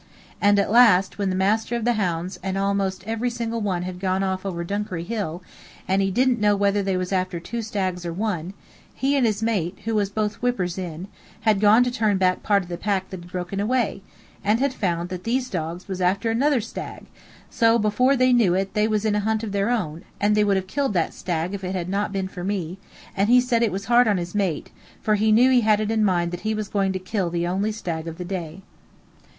And at last, when the master of the hounds and most every one else had gone off over Dunkery Hill, and he didn't know whether they was after two stags or one, he and his mate, who was both whippers in, had gone to turn part of the pack that had broken away, and had found that these dogs was after another stag, and so before they knew it they was in a hunt of their own, and they would have killed that stag if it had not been for me; and he said it was hard on his mate, for he knew he had it in mind that he was going to kill the only stag of the day.